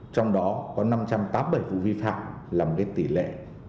trong đó có năm trăm tám mươi bảy vụ vi phạm là một cái tỷ lệ